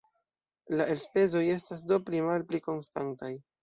La elspezoj estas do pli-malpli konstantaj.